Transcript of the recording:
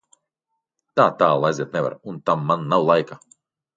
Tā tālu aiziet nevar, un tam man nav laika.